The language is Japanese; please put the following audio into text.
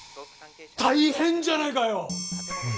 大変じゃないかよ！